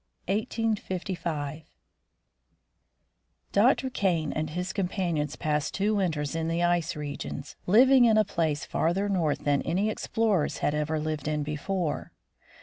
X. HOME AGAIN 1855 Dr. Kane and his companions passed two winters in the ice regions, living in a place farther north than any explorers had ever lived in before.